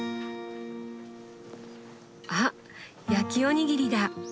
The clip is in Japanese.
あ焼きおにぎりだ！